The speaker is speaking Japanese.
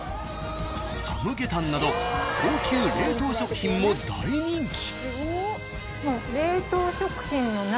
［サムゲタンなど高級冷凍食品も大人気］